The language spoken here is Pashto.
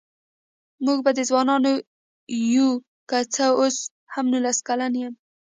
مونږ به ځوانان يوو که څه اوس هم نوولس کلن يم